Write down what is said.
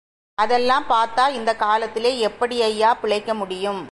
அதெல்லாம் பாத்தா இந்தக் காலத்திலே எப்படியய்யா பிழைக்க முடியும்?